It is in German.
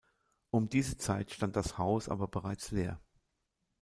Um diese Zeit stand das Haus aber bereits leer.